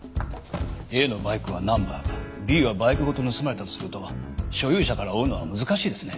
ＡのバイクはナンバーがＢはバイクごと盗まれたとすると所有者から追うのは難しいですね。